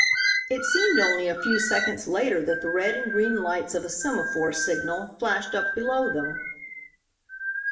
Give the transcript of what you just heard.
It seemed only a few seconds later that the red and green lights of a semaphore signal flashed up below them.